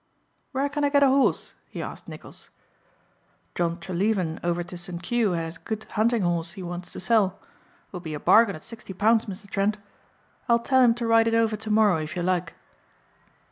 "Where can I get a horse?" he asked Nicholls. "John Treleaven over to St. Kew has a good hunting horse he wants to sell. It will be a bargain at sixty pounds Mr. Trent. I'll tell him to ride it over tomorrow if you like."